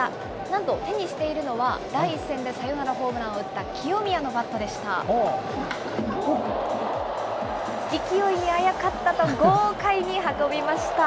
なんと手にしているのは、第１戦でサヨナラホームランを打った清宮のバットでした。